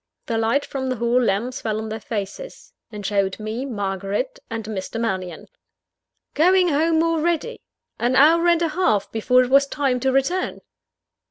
The light from the hall lamps fell on their faces; and showed me Margaret and Mr. Mannion. Going home already! An hour and a half before it was time to return!